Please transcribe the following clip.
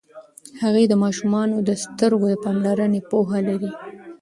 هغې د ماشومانو د سترګو د پاملرنې پوهه لري.